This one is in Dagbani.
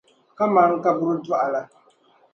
kaman kabur’ dɔɣu la.